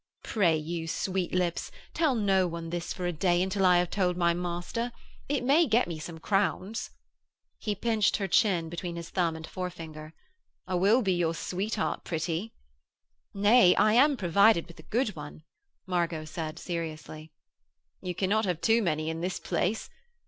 'Pray you, Sweetlips, tell no one this for a day until I have told my master. It may get me some crowns.' He pinched her chin between his thumb and forefinger. 'I will be your sweetheart, pretty.' 'Nay, I am provided with a good one,' Margot said seriously. 'You cannot have too many in this place.